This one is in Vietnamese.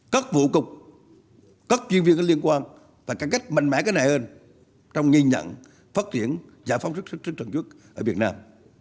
các vụ cục các chuyên viên liên quan và cải cách mạnh mẽ hơn trong nghi nhận phát triển giải phóng sức trận dứt ở việt nam